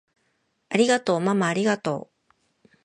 ありがとうままありがとう！